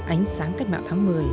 ánh sáng cách mạng tháng một mươi